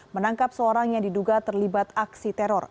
menangkap seorang yang diduga terlibat aksi teror